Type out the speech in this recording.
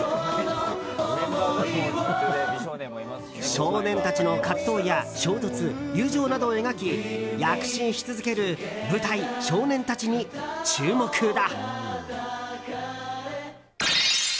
少年たちの葛藤や衝突友情などを描き躍進し続ける舞台「少年たち」に注目だ！